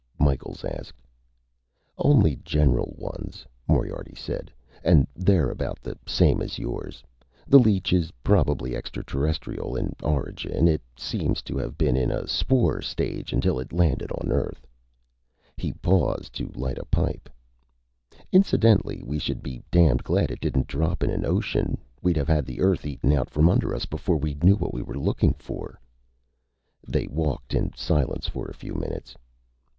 Micheals asked. "Only general ones," Moriarty said, "and they're about the same as yours. The leech is probably extraterrestrial in origin. It seems to have been in a spore stage until it landed on Earth." He paused to light a pipe. "Incidentally, we should be damned glad it didn't drop in an ocean. We'd have had the Earth eaten out from under us before we knew what we were looking for." They walked in silence for a few minutes.